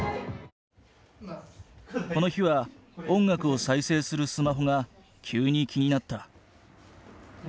この日は音楽を再生するスマホが急に気になった。